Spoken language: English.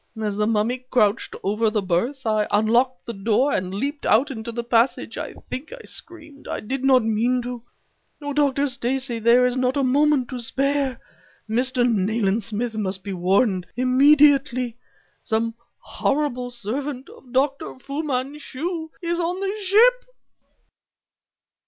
As the mummy crouched over the berth, I unlocked the door and leaped out into the passage. I think I screamed; I did not mean to. Oh, Dr. Stacey, there is not a moment to spare! Mr. Nayland Smith must be warned immediately. Some horrible servant of Dr. Fu Manchu is on the ship!"